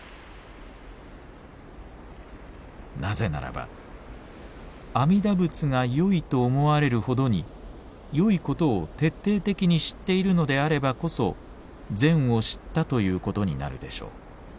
なぜならば阿弥陀仏がよいと思われるほどによいことを徹底的に知っているのであればこそ善を知ったということになるでしょう。